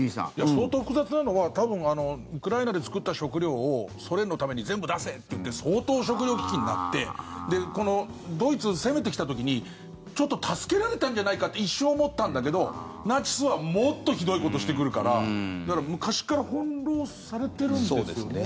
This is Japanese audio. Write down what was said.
相当複雑なのは多分、ウクライナで作った食糧をソ連のために全部出せっていって相当、食糧危機になってこのドイツ、攻めてきた時に助けられたんじゃないかって一瞬思ったんだけどナチスはもっとひどいことしてくるからだから、昔から翻ろうされてるんですよね。